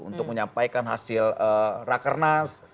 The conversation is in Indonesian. untuk menyampaikan hasil rakernas